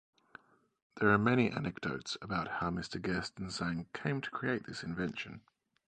There are many anecdotes about how Mr. Gerstenzang came to create this invention.